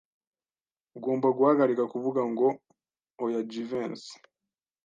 Ugomba guhagarika kuvuga ngo oya Jivency.